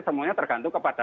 semuanya tergantung kepada